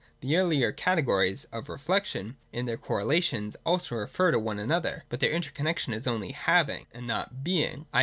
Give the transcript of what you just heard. The earlier cate gories (of reflection) in their correlations also refer to one another : but their interconnexion is only ' having ' and not ' being,' i.